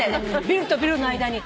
ビルとビルの間に。